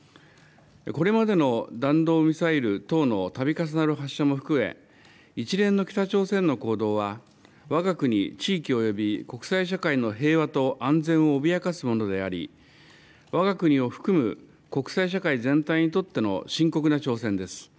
これまでの弾道ミサイル等のたび重なる発射も含め、一連の北朝鮮の行動は、わが国地域および国際社会の平和と安全を脅かすものであり、わが国を含む国際社会全体にとっての深刻な挑戦です。